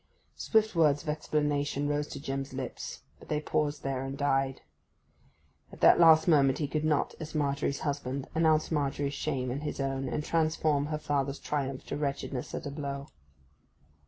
Swift words of explanation rose to Jim's lips, but they paused there and died. At that last moment he could not, as Margery's husband, announce Margery's shame and his own, and transform her father's triumph to wretchedness at a blow.